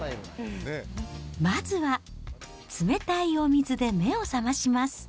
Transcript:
まずは、冷たいお水で目を覚まします。